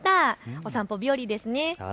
お散歩日和ですね。